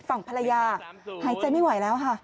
ฝั่งภรรยาหายใจไม่ไหวแล้วค่ะ